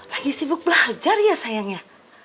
lagi sibuk belajar ya sayangnya